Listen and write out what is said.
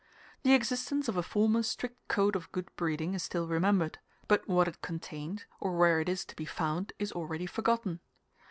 The existence of a former strict code of good breeding is still remembered, but what it contained or where it is to be found is already forgotten.